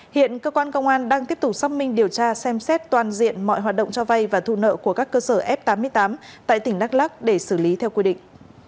hiện cơ quan công an đang tiếp tục xác minh điều tra xem xét toàn diện mọi hoạt động cho vay và thu nợ của các cơ sở f tám mươi tám tại tỉnh đắk lắc để xử lý theo quy định